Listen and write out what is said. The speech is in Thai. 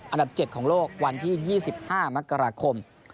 อันดับ๗ของโลกวันที่๒๕มกราคม